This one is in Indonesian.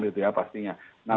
di lapangan di lapangan